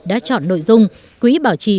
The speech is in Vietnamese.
đã chọn nội dung quỹ bảo trì